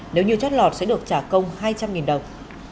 nếu như chót lọt sẽ được trả công hai trăm linh đồng